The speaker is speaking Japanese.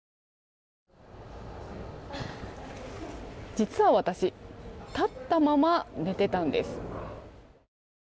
実は私、立ったまま寝ていたんです。